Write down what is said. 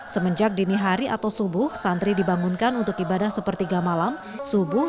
semenjak dini hari atau subuh santri dibangunkan untuk ibadah sepertiga malam subuh